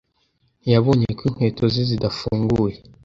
ntiyabonye ko inkweto ze zidafunguye.